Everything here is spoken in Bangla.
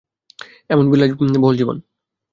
এমন বিলাস-বহুল জীবন!